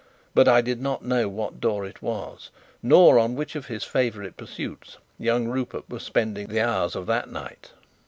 But I did not know what door it was, nor on which of his favourite pursuits young Rupert was spending the hours of that night.